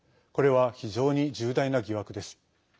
これは、非常に重大な疑惑です。